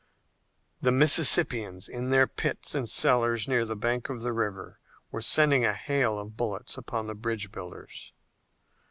The Mississippians in their pits and cellars near the bank of the river were sending a hail of bullets upon the bridge builders.